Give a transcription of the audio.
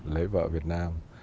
lấy vợ việt nam